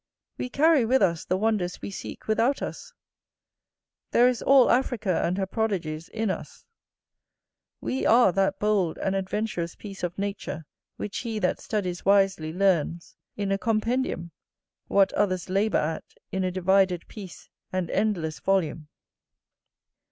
We carry with us the wonders we seek without us: there is all Africa and her prodigies in us. We are that bold and adventurous piece of nature, which he that studies wisely learns, in a compendium, what others labour at in a divided piece and endless volume.